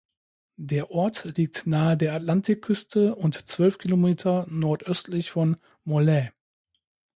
Der Ort liegt nahe der Atlantikküste und zwölf Kilometer nordöstlich von Morlaix.